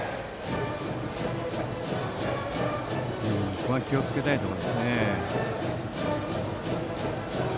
ここは気をつけたいところですね。